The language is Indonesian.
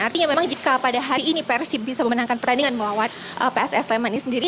artinya memang jika pada hari ini persib bisa memenangkan pertandingan melawan pss sleman ini sendiri